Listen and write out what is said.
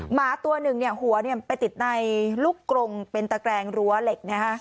หมาตัวหนึ่งหัวไปติดในลูกกรงเป็นตะแกรงรั้วเหล็ก